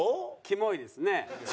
キモイですね。